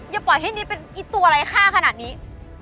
อย่าปล่อยให้นิดเป็นไอ้ตัวอะไรฆ่าขนาดนี้